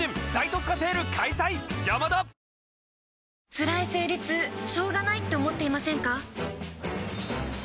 つらい生理痛しょうがないって思っていませんか？